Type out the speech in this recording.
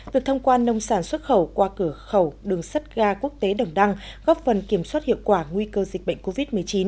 việc thông quan nông sản xuất khẩu qua cửa khẩu đường sắt ga quốc tế đồng đăng góp phần kiểm soát hiệu quả nguy cơ dịch bệnh covid một mươi chín